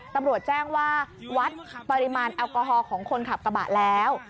ตำรวจแจ้งว่าวัดปริมาณแอลกอฮอล์ของคนขับกระบะแล้ว